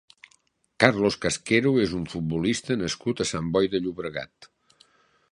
Carlos Casquero és un futbolista nascut a Sant Boi de Llobregat.